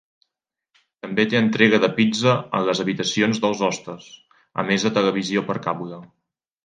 També té entrega de pizza a les habitacions dels hostes, a més de televisió per cable.